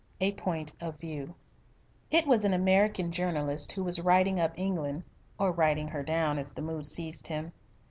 A POINT OF VIEW It was an American journalist who was writing up England or writing her down as the mood seized him.